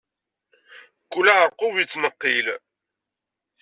Kul aɛerqub yettneqqil.